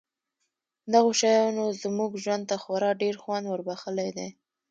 دغو شیانو زموږ ژوند ته خورا ډېر خوند وربښلی دی